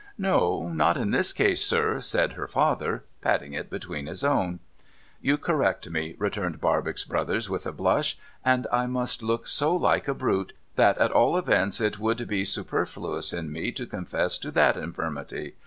' No, not in this case, sir,' said her father, patting it between his own. ' You correct me,' returned Barbox Brothers with a blush ;' and I must look so like a Brute, that at all events it would be super fluous in me to confess to t/iat infirmity.